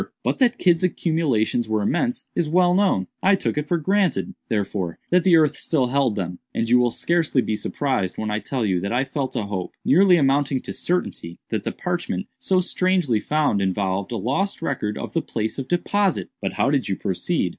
"But that Kidd's accumulations were immense, is well known. I took it for granted, therefore, that the earth still held them; and you will scarcely be surprised when I tell you that I felt a hope, nearly amounting to certainty, that the parchment so strangely found, involved a lost record of the place of deposit." "But how did you proceed?"